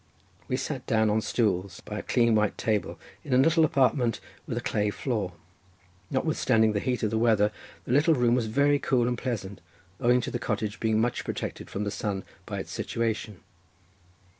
We sat down on stools, by a clean white table in a little apartment with a clay floor—notwithstanding the heat of the weather, the little room was very cool and pleasant owing to the cottage being much protected from the sun by its situation.